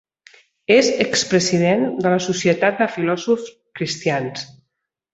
És expresident de la Societat de Filòsofs Cristians.